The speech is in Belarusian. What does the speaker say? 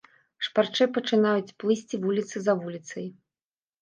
Шпарчэй пачынаюць плысці вуліца за вуліцай.